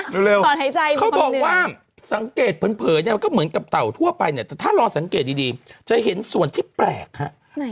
เขาบอกว่าสังเกตเผินเนี่ยมันก็เหมือนกับเต่าทั่วไปเนี่ยแต่ถ้ารอสังเกตดีจะเห็นส่วนที่แปลกฮะ